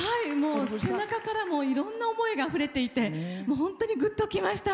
背中からいろんな思いがあふれていて本当にぐっときました。